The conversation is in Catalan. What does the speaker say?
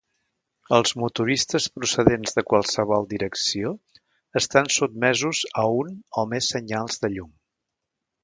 Els motoristes procedents de qualsevol direcció estan sotmesos a un o més senyals de llum.